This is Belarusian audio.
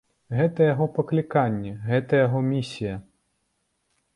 Гэта яго пакліканне, гэта яго місія.